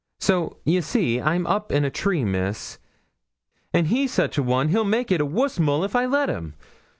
So, ye see, I'm up a tree, Miss; and he sich a one, he'll make it a wuss mull if I let him.